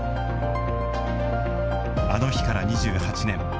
あの日から２８年。